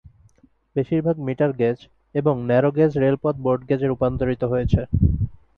বেশিরভাগ metre gauge এবং narrow gauge রেলপথ ব্রড গেজে রূপান্তরিত হয়েছে।